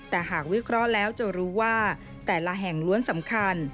แต่หากวิเคราะห์แล้วจะรู้ว่าแต่ละแห่งล้วนสำคัญ